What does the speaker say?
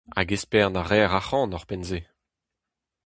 Hag espern a reer arc'hant ouzhpenn-se !